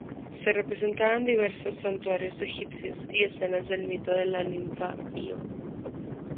Se representaban diversos santuarios egipcios y escenas del mito de la ninfa Ío.